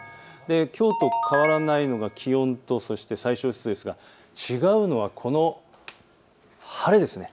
きょうと変わらないのが気温と最小湿度ですが違うのはこの晴れです。